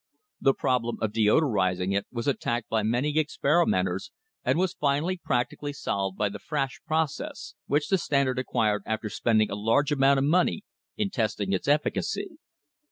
The problem of deodor ising it was attacked by many experimenters, and was finally practically solved by the Frasch process, which the Standard acquired after spending a large amount of money in testing its efficacy.